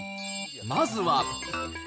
まずは。